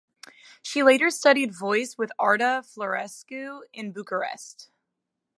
She later studied voice with Arta Florescu in Bucharest.